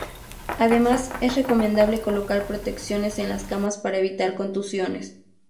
Además es recomendable colocar protecciones en las camas para evitar contusiones.